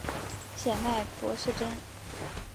显脉柏氏参